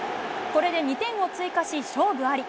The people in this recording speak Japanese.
これで２点を追加し勝負あり。